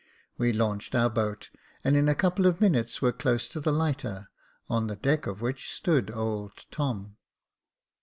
We launched our boat, and in a couple of minutes were close to the lighter, on the deck of which stood old Tom.